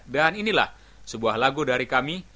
dan inilah sebuah lagu dari kami